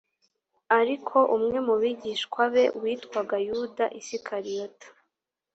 ariko umwe mu bigishwa be witwaga yuda isikariyota